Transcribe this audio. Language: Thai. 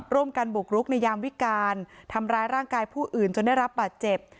ร่วมกันบุกรุกในยามวิการทำร้ายร่างกายผู้อื่นจนได้รับบาดเจ็บ